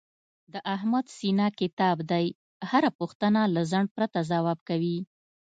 د احمد سینه کتاب دی، هره پوښتنه له ځنډ پرته ځواب کوي.